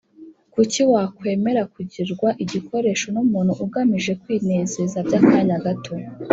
kuki wakwemera kugirwa igikoresho n umuntu ugamije kwinezeza by akanya gato